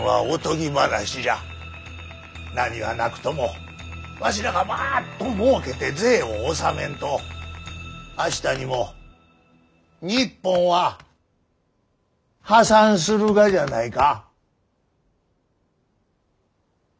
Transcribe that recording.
何はなくともわしらがバッともうけて税を納めんと明日にも日本は破産するがじゃないか！